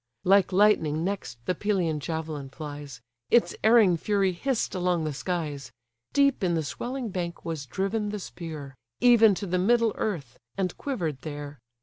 Like lightning next the Pelean javelin flies: Its erring fury hiss'd along the skies; Deep in the swelling bank was driven the spear, Even to the middle earth; and quiver'd there.